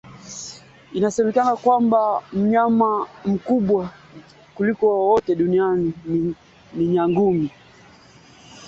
kuthibitisha madai hayo na kwamba Jamuhuri ya Demokrasia ya Kongo ingetumia njia hiyo mara moja iwapo walikuwa na nia nzuri